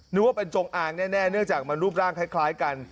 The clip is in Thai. นึกว่าเป็นจงอางแน่เนื่องจากมันรูปร่างคล้ายกัน